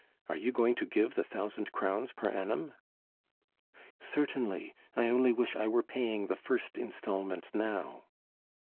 Are you going to give the thousand crowns per annum?" "Certainly. I only wish I were paying the first installment now."